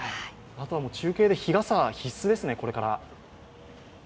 あとは中継で日傘必須ですね、これから。